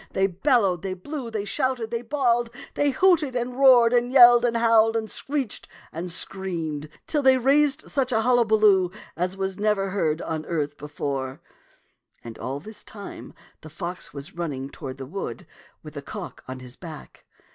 They bel lowed, they blew, they shouted, they bawled, they hooted and roared and yelled and howled and screeched and screamed, till they raised such a hullaballoo as was never heard on the earth before — and all this time the fox was running toward the wood with the cock on his back.